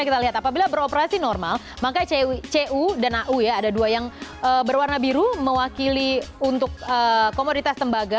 kita lihat apabila beroperasi normal maka cu dan au ya ada dua yang berwarna biru mewakili untuk komoditas tembaga